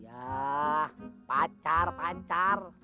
ah pacar pacar